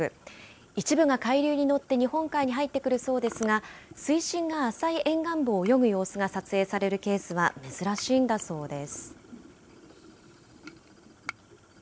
一部が海流に乗って日本海に入ってくるそうですが、水深が浅い沿岸部を泳ぐ様子を撮影されるケースは珍しいんだそうです。